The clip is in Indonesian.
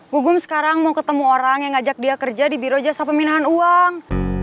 hubung sekarang mau ketemu orang yang ngajak dia kerja di biro jasa pemindahan uang